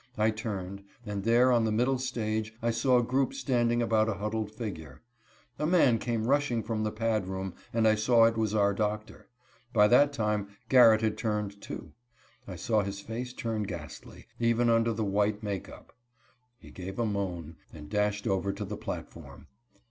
I turned, and there on the middle stage I saw a group standing about a huddled figure. A man came rushing from the pad room, and I saw it was our doctor. By that time Garrett had turned, too. I saw his face turn ghastly, even under the white make up. He gave a moan, and dashed over to the platform.